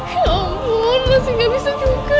ya ampun masih gak bisa cuka